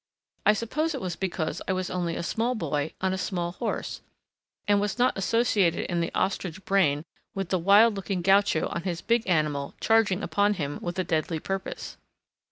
I suppose it was because I was only a small boy on a small horse and was not associated in the ostrich brain with the wild looking gaucho on his big animal charging upon him with a deadly purpose.